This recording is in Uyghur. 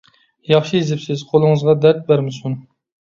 ياخشى يېزىپسىز، قولىڭىزغا دەرد بەرمىسۇن.